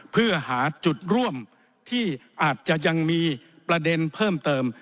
เพื่อหาจุดร่วมที่อาจจะยังมีประเด็นเพิ่มเติม